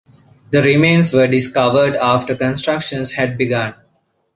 The remains were discovered after construction had begun.